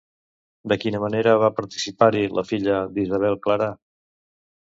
De quina manera va participar-hi la filla d'Isabel-Clara?